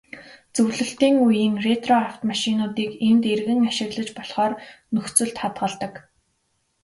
Зөвлөлтийн үеийн ретро автомашинуудыг энд эргэн ашиглаж болохоор нөхцөлд хадгалдаг.